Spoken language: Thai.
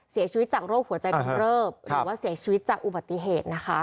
เสียชีวิตจากโรคหัวใจกำเริบหรือว่าเสียชีวิตจากอุบัติเหตุนะคะ